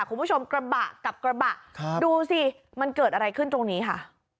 คุณผู้ชมกระบะกับกระบะดูสิมันเกิดอะไรขึ้นตรงนี้ค่ะ